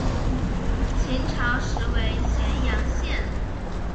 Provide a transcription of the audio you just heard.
秦朝时为咸阳县。